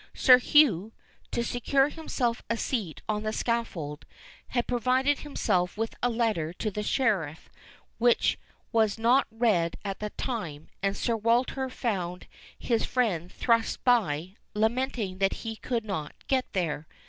Sir Hugh, to secure himself a seat on the scaffold, had provided himself with a letter to the sheriff, which was not read at the time, and Sir Walter found his friend thrust by, lamenting that he could not get there.